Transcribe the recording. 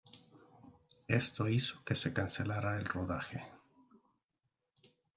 Esto hizo que se cancelara el rodaje.